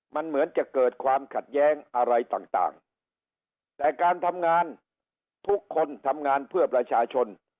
มันเหมือนจะเกิดความขัดแย้งอะไรต่างแต่การทำงานทุกคนทำงานเพื่อประชาชน